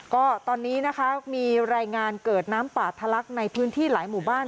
ก็ตอนนี้นะคะมีรายงานเกิดน้ำป่าทะลักในพื้นที่หลายหมู่บ้าน